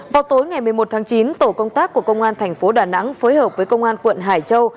vào tối ngày một mươi một tháng chín tổ công tác của công an thành phố đà nẵng phối hợp với công an quận hải châu